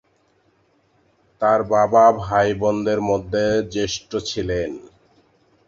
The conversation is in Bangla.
তার বাবা ভাইবোনদের মধ্যে জ্যেষ্ঠ ছিলেন।